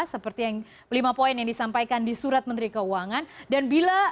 seperti yang lima poin yang disampaikan di surat menteri keuangan